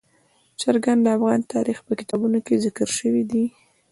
چرګان د افغان تاریخ په کتابونو کې ذکر شوي دي.